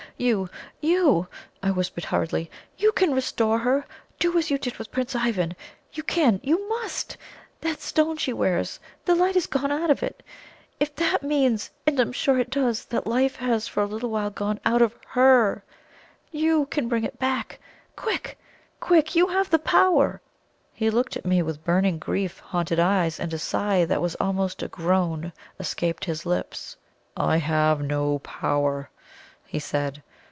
"You you!" I whispered hurriedly. "YOU can restore her! Do as you did with Prince Ivan; you can you must! That stone she wears the light has gone out of it. If that means and I am sure it does that life has for a little while gone out of HER, YOU can bring it back. Quick Quick! You have the power!" He looked at me with burning grief haunted eyes; and a sigh that was almost a groan escaped his lips. "I have NO power," he said.